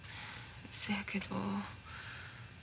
そやけど。